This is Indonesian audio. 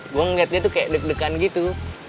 gue ngeliat dia tuh kayak deg degan gitu